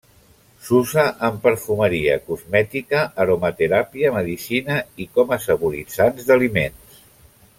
S'usa en perfumeria, cosmètica, aromateràpia, medicina i com a saboritzants d'aliments.